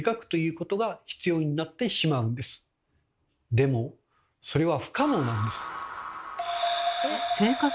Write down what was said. でもそれは不可能なんです。